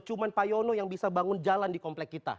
cuma pak yono yang bisa bangun jalan di komplek kita